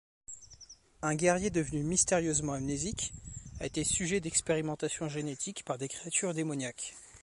Un guerrier, devenu mystérieusement amnésique, a été sujet d'expérimentations génétiques par des créatures démoniaques.